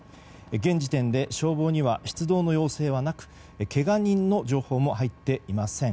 現時点で消防には出動の要請はなくけが人の情報も入っていません。